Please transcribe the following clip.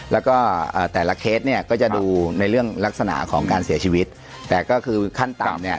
แล้วก็แต่ละเคสเนี่ยก็จะดูในเรื่องลักษณะของการเสียชีวิตแต่ก็คือขั้นต่ำเนี่ย